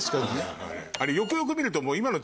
あれよくよく見ると。